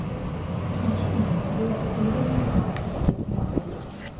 Příčinou bylo objevení zásob pitné vody.